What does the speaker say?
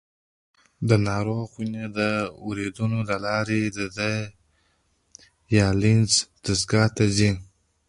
د ناروغ وینه د وریدونو له لارې د دیالیز دستګاه ته ځي.